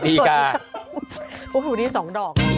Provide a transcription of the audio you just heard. ซิงชื่อจริง